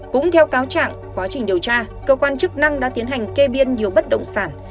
cũng theo cáo trạng quá trình điều tra cơ quan chức năng đã tiến hành kê biên nhiều bất động sản